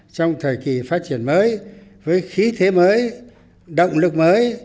trong thời kỳ phát triển mới với khí thế mới động lực mới